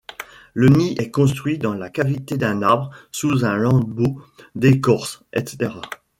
Le nid est construit dans la cavité d'un arbre, sous un lambeau d'écorce, etc.